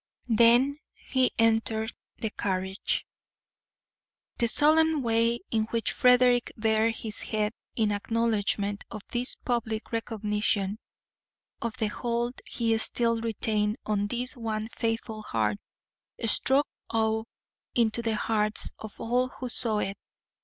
Then he entered the carriage. The solemn way in which Frederick bared his head in acknowledgment of this public recognition of the hold he still retained on this one faithful heart, struck awe into the hearts of all who saw it.